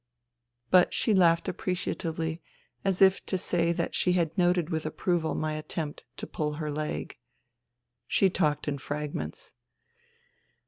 But she laughed appreciatively, as if to say that she had noted with approval my attempt to pull her leg. She talked in fragments.